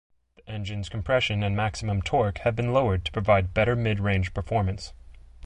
The engine's compression and maximum torque have been lowered to provide better midrange performance.